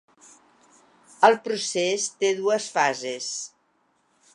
El procés té dues fases.